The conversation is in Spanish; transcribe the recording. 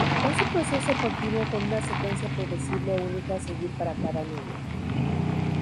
Es un proceso continuo con una secuencia predecible única a seguir para cada niño.